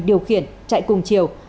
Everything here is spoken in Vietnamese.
điều khiển chạy cùng chiều